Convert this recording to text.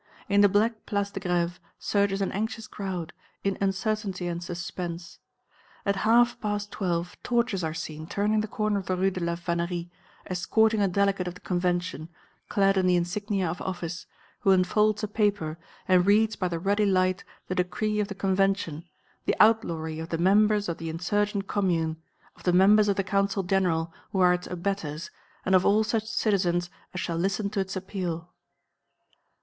In the black Place de Grève surges an anxious crowd, in uncertainty and suspense. At half past twelve torches are seen turning the corner of the Rue de la Vannerie, escorting a delegate of the Convention, clad in the insignia of office, who unfolds a paper and reads by the ruddy light the decree of the Convention, the outlawry of the members of the insurgent Commune, of the members of the Council General who are its abettors and of all such citizens as shall listen to its appeal.